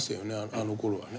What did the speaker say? あのころはね。